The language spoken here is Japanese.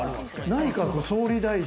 内閣総理大臣。